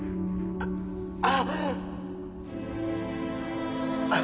ああ！